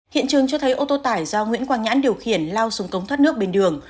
hiện trường cho thấy ô tô tải do nguyễn quảng nhãn điều khiển lao xuống cống thoát nước bên đường